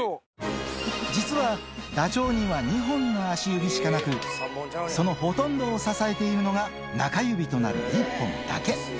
実はダチョウには２本の足指しかなく、そのほとんどを支えているのが、中指となる１本だけ。